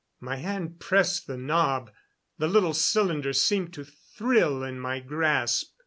My hand pressed the knob; the little cylinder seemed to thrill in my grasp.